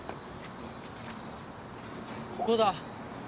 ここだ。